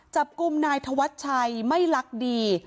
จับกลุ่มนายธวัชชัยไม่ลักดี